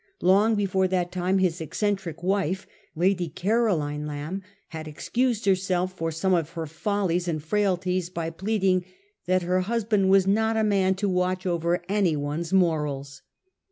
Long before that time his eccentric wife, Lady Caroline Lamb, had excused herself for some of her follies and frailties by pleading that her husband was not a man to watch over any one's morals.